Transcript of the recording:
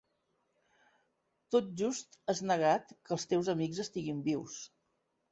Tot just has negat que els teus amics estiguin vius.